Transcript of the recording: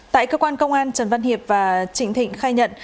tại cơ quan công an trần văn hiệp và trịnh thịnh khai nhận